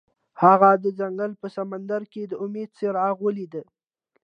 هغه د ځنګل په سمندر کې د امید څراغ ولید.